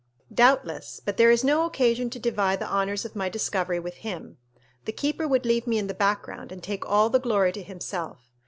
"Doubtless; but there is no occasion to divide the honors of my discovery with him. The keeper would leave me in the background, and take all the glory to himself.